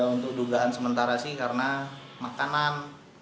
untuk dugaan sementara sih karena makanan